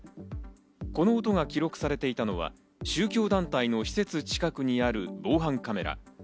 この音が記録されていたのは宗教団体の施設近くにある防犯カメラ。